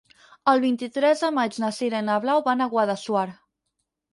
El vint-i-tres de maig na Sira i na Blau van a Guadassuar.